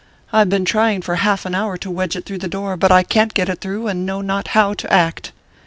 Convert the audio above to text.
I ve been trying for half an hour to wedge it. through the door, but I can t get it through and know not how to act."